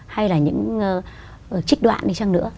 hay là những trích đoạn đi chăng nữa